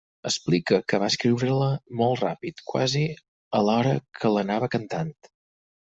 Explica que va escriure-la molt ràpid quasi alhora que l'anava cantant.